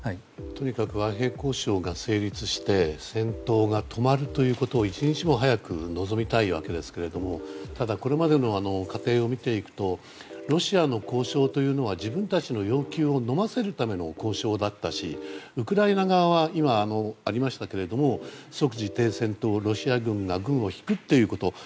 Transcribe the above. とにかく和平交渉が成立して戦闘が止まることを１日も早く望みたいわけですがこれまでの過程を見ていくとロシアの交渉というのは自分たちの要求をのませるための交渉だったしウクライナ側は今ありましたけれども即時停戦とロシア軍が軍を引くということ。